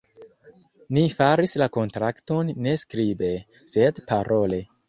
Ni faris la kontrakton ne skribe, sed parole.